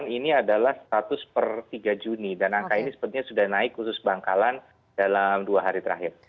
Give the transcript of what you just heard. ini adalah status per tiga juni dan angka ini sepertinya sudah naik khusus bangkalan dalam dua hari terakhir